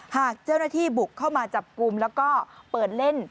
หากเจ้าหน้าที่บุกเข้ามาจับกลุ่มแล้วก็เปิดเล่น